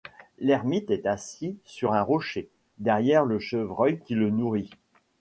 L’ermite est assis sur un rocher, derrière le chevreuil qui le nourrit.